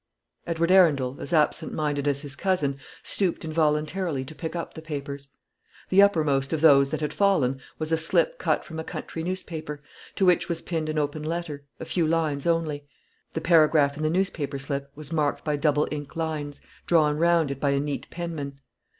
Edward Arundel, as absent minded as his cousin, stooped involuntarily to pick up the papers. The uppermost of those that had fallen was a slip cut from a country newspaper, to which was pinned an open letter, a few lines only. The paragraph in the newspaper slip was marked by double ink lines, drawn round it by a neat penman.